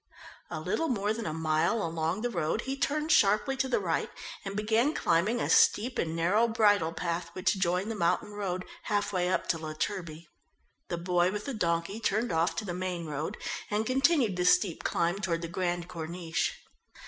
A little more than a mile along the road he turned sharply to the right and began climbing a steep and narrow bridle path which joined the mountain road, half way up to La Turbie. The boy with the donkey turned off to the main road and continued the steep climb toward the Grande Corniche.